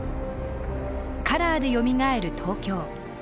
「カラーでよみがえる東京」。